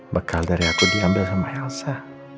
bekal dari aku diambil sama elsa